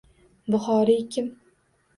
Buxoriy kim?